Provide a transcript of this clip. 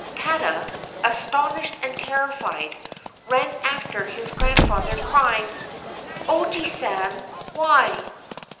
Tada, astonished and terrified, ran after his grandfather, crying, — "Ojiisan! why?